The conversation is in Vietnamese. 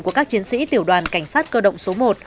của các chiến sĩ tiểu đoàn cảnh sát cơ động số một